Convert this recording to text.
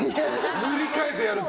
塗り替えてやるって。